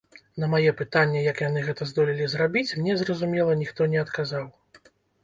На мае пытанне, як яны гэта здолелі зрабіць, мне, зразумела, ніхто не адказаў.